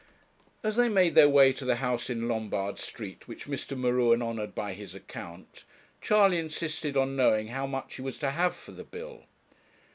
As they made their way to the house in Lombard Street which Mr. M'Ruen honoured by his account, Charley insisted on knowing how much he was to have for the bill.